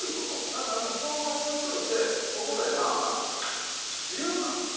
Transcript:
だからこのままおいといてここでまあまあ自由なんですよ。